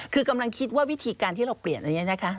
คือกำลังคิดว่าวิธีการที่เราเปลี่ยนอันนี้นะคะ